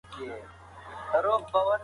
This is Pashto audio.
د ځنګلونو موجودیت د اکسیجن تولید زیاتوي.